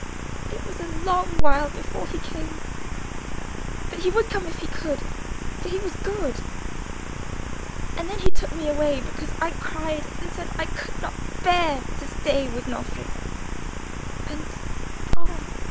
it was a long while before he came; but he would have come if he could, for he was good; and then he took me away, because I cried and said I could not bear to stay with Nofri. And, oh!